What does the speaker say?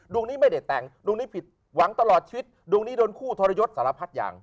ดวงนี้ไม่ได้แต่งดวงนี้ผิดหวังตลอดชีวิตดวงนี้โดนคู่ทรยศสารพัดอย่าง